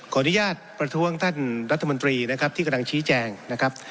ขออนุญาตประท้วงท่านรัฐมนตรีนะครับที่กำลังชี้แจงนะครับ